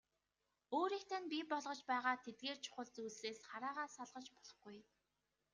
Өөрийг тань бий болгож байгаа тэдгээр чухал зүйлсээс хараагаа салгаж болохгүй.